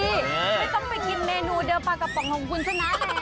ไม่ต้องไปกินเมนูเดิมปลากระป๋องของคุณชนะแหละ